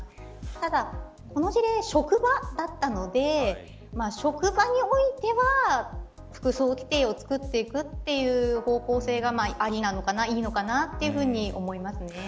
ただこの事例、職場だったので職場においては服装規定を作っていくという方向性がありなのかな、いいのかなというふうに思いますね。